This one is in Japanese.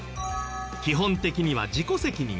基本的には自己責任。